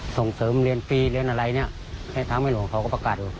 ส่งเสริมเรียนฟรีเรียนอะไรทางบ้านหลวงเขาก็ประกาศอยู่